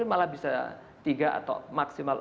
malah bisa tiga atau maksimal empat